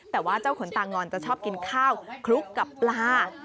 แต่ว่าเจ้าขนตางอนจะชอบกินข้าวคลุกกับปลา